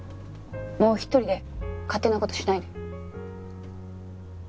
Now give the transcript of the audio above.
もう一人で勝手な事しないで。